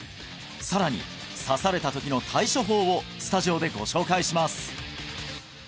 さらに刺された時の対処法をスタジオでご紹介します